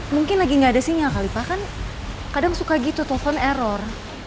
mungkin lagi gak ada sinyal kali pak kadang suka gitu telepon error